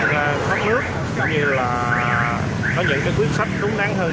cũng như là có những cái quyết sách đúng đáng hơn